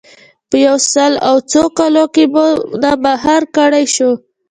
په یو سل او څو کلونو کې مو نه مهار کړای شو.